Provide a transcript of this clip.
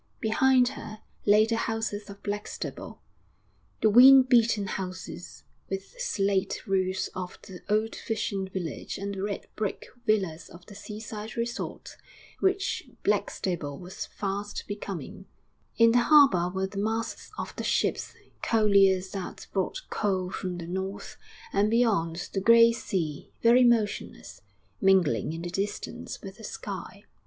Behind her lay the houses of Blackstable, the wind beaten houses with slate roofs of the old fishing village and the red brick villas of the seaside resort which Blackstable was fast becoming; in the harbour were the masts of the ships, colliers that brought coal from the north; and beyond, the grey sea, very motionless, mingling in the distance with the sky....